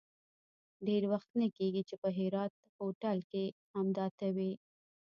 ډېر وخت نه کېږي چې په هرات هوټل کې همدا ته وې.